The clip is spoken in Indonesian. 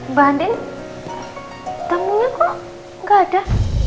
mbak andi tamunya kok nggak ada